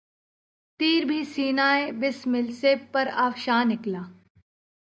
تیر بھی سینہٴ بسمل سے پر افشاں نکلا